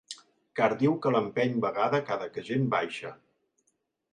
Car diu que l'empeny vegada cada que gent baixa.